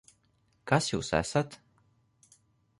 Kas jūs esat?